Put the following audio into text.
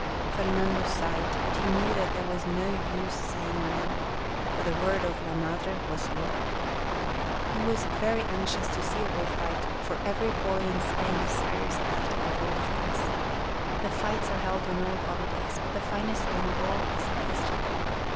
Fernando sighed, but he knew that there was no use saying more, for the word of la madre was law. He was very anxious to see a 74 Rainy Days 75 bull fight, for every boy in Spain desires that above all things. The fights are held on all holidays, but the finest one of all is at Easter.